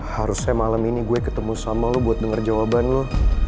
harusnya malem ini gue ketemu sama lo buat denger jawaban lo